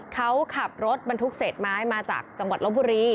เขาขับรถบรรทุกเศษไม้มาจากจังหวัดลบบุรี